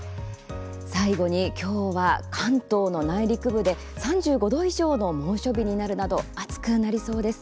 最後に今日は関東の内陸部で３５度以上の猛暑日になるなど暑くなりそうです。